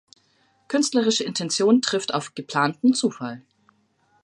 Künstlerische Intention trifft auf „geplanten“ Zufall.